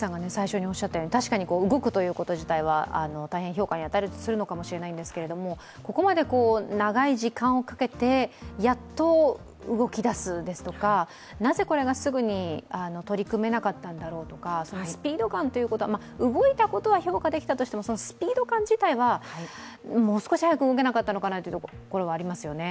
確かに動くということ自体は大変、評価にあたいするのかと思うんですけれどもここまで長い時間をかけて、やっと動き出すですとか、なぜこれがすぐに取り組めなかったんだろうとか、スピード感ということ動いたことは評価できたとしてもスピード感自体はもう少し早く動けなかったのかなというところはありますよね。